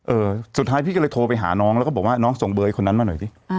เออสุดท้ายพี่ก็เลยโทรไปหาน้องแล้วก็บอกว่าน้องส่งเบอร์คนนั้นมาหน่อยสิ